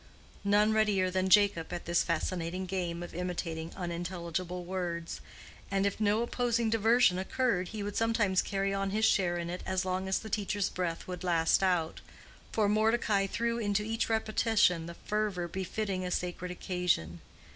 None readier than Jacob at this fascinating game of imitating unintelligible words; and if no opposing diversion occurred he would sometimes carry on his share in it as long as the teacher's breath would last out. For Mordecai threw into each repetition the fervor befitting a sacred occasion.